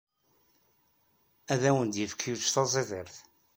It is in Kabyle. Ad awen-d-yefk Yuc taẓidirt.